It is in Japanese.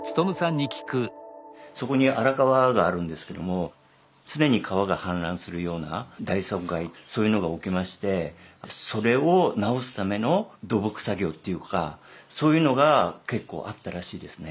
そこに荒川があるんですけども常に川が氾濫するような大損害そういうのが起きましてそれを直すための土木作業っていうかそういうのが結構あったらしいですね。